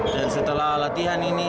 dan setelah latihan ini